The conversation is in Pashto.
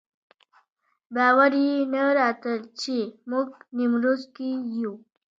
باور یې نه راته چې موږ نیمروز کې یو.